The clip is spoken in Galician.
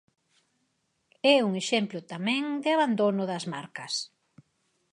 E un exemplo tamén de abandono das marcas.